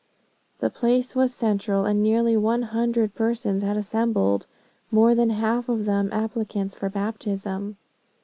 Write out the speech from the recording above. The place was central, and nearly one hundred persons had assembled, more than half of them applicants for baptism.